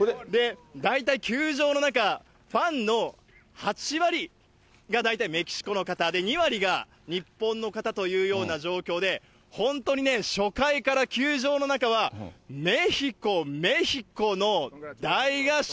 大体球場の中、ファンの８割が大体メキシコの方、２割が日本の方というような状況で、本当にね、初回から休場の中はメヒコ、メヒコの大合唱。